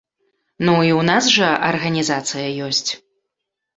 Ну, і ў нас жа арганізацыя ёсць.